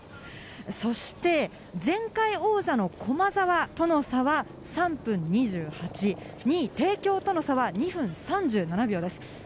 そして前回王者の駒澤との差は３分２８、２位・帝京との差は２分３７です。